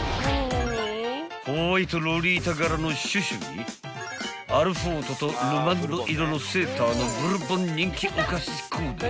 ［ホワイトロリータ柄のシュシュにアルフォートとルマンド色のセーターのブルボン人気おかしコーデ］